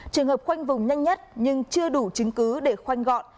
trường hợp khoanh vùng nhanh nhất nhưng chưa đủ chứng cứ để khoanh gọn